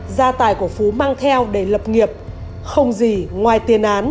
gia tài của phú mang theo để lập nghiệp không gì ngoài tiền án